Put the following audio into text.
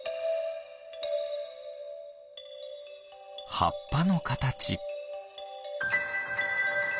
はっぱのかたち。